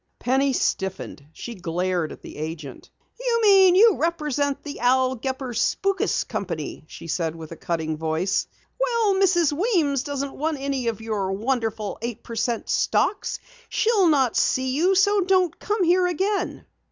Penny stiffened. She glared at the agent. "You mean you represent the Al Gepper Spookus Company," she said in a cutting voice. "Well, Mrs. Weems doesn't want any of your wonderful eight per cent stocks! She'll not see you, so don't come here again!"